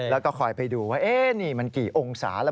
แล้วก็คอยไปดูว่านี่มันกี่องศาแล้ว